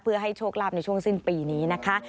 เพื่อให้โชคลาภในช่วงสิ้นปีนี้นะคะ